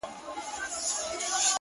• د خپل ګران وجود په وینو لویوي یې ,